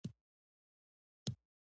افغانستان په خپلو کوچیانو باندې تکیه لري.